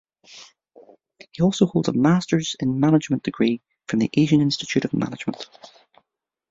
He also holds a Masters in Management degree from the Asian Institute of Management.